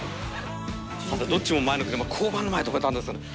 どっちも前の車、交番の前に止めたんですよね。